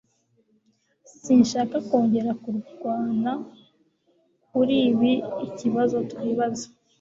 Sinshaka kongera kurwana kuri ibi ikibazo twibaza